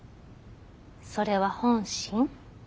それは本心？